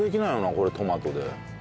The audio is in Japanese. これトマトで。